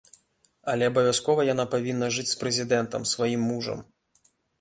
Але абавязкова яна павінна жыць з прэзідэнтам, сваім мужам.